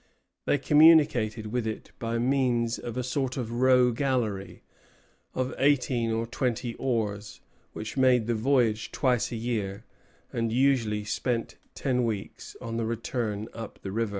They communicated with it by means of a sort of row galley, of eighteen or twenty oars, which made the voyage twice a year, and usually spent ten weeks on the return up the river.